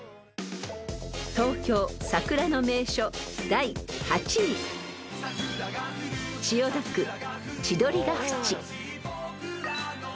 ［東京桜の名所第８位］［千代田区］